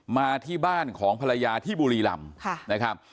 มาที่บ้านของภรรยาที่บุรีรำนะครับ